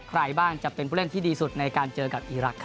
ใครบ้างจะเป็นผู้เล่นที่ดีสุดในการเจอกับอีรักษ์